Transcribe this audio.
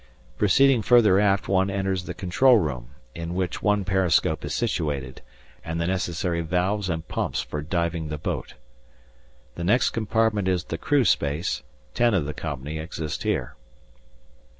Proceeding further aft one enters the control room, in which one periscope is situated, and the necessary valves and pumps for diving the boat. The next compartment is the crew space; ten of the company exist here.